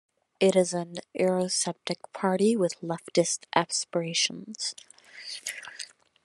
It is an eurosceptic party with leftist aspirations.